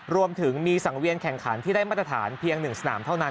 รวมถึงมีสังเวียนแข่งขันที่ได้มาตรฐานเพียง๑สนามเท่านั้น